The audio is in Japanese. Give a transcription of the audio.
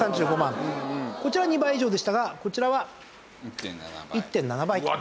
こちらは２倍以上でしたがこちらは１．７倍と。